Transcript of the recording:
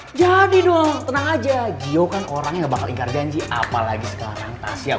eh jadi dong tenang aja gio kan orangnya gak bakal ingkar janji apalagi sekarang tasya